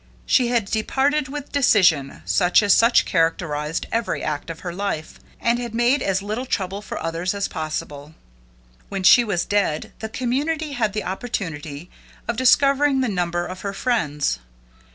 She had departed with decision, such as had characterized every act of her life, and had made as little trouble for others as possible. When she was dead the community had the opportunity of discovering the number of her friends.